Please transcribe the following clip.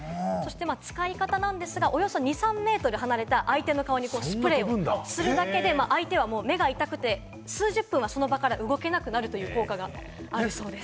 使い方なんですが、およそ２３メートル離れた相手の顔にスプレーをするだけで、相手は目が痛くて、数十分はその場から動けなくなるという効果があるそうです。